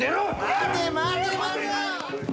待て待て待て！